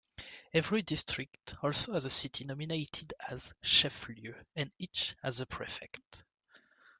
Every district also has a city nominated as chef-lieu and each has a prefect.